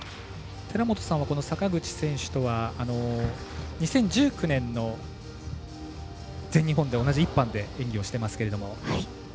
寺本さんは坂口選手とは２０１９年の全日本で同じ１班で演技をしていますけども。